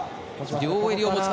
両襟を持つ形。